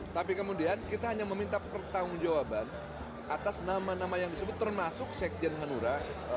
tapi kemudian kita hanya meminta pertanggung jawaban atas nama nama yang disebut termasuk sekjen hanura